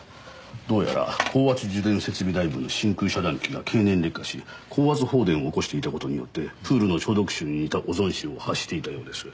どうやら高圧受電設備内部の真空遮断機が経年劣化し高圧放電を起こしていた事によってプールの消毒臭に似たオゾン臭を発していたようです。